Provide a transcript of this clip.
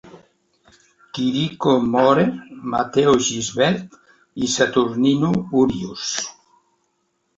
Quirico More, Mateo Gisbert i Saturnino Urius.